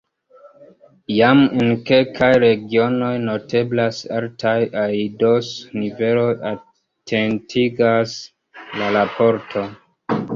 Jam en kelkaj regionoj noteblas altaj aidoso-niveloj, atentigas la raporto.